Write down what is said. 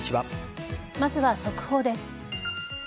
まずは速報です。